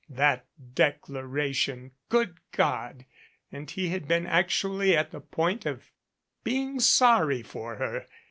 That declara tion Good God! and he had been actually at the point of being sorry for her.